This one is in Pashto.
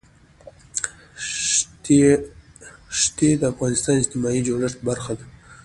ښتې د افغانستان د اجتماعي جوړښت برخه ده.